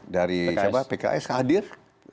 dari pks hadir